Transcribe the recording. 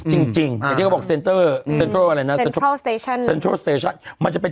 จริงจริงอย่างที่เขาบอกเซ็นเติร์รอะไรน่ะนะฟังเธอ๘๗มันจะเป็น